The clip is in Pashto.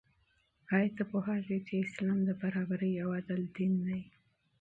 آیا ته پوهېږې چې اسلام د برابرۍ او عدل دین دی؟